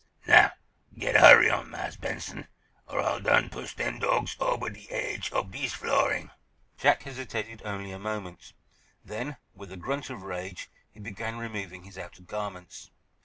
Now, git a hurry on, Marse Benson, or Ah'll done push dem dawgs ober de aidge ob dis flooring." Jack hesitated only a moment. Then, with a grunt of rage, he began removing his outer garments.